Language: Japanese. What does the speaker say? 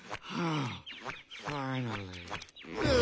ああ！